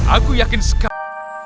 aku yakin sekarang